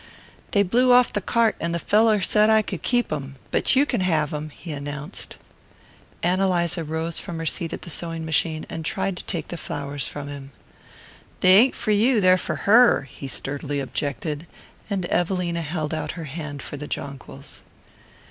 "They blew off the cart and the fellow said I could keep 'em. But you can have 'em," he announced. Ann Eliza rose from her seat at the sewing machine and tried to take the flowers from him. "They ain't for you; they're for her," he sturdily objected; and Evelina held out her hand for the jonquils.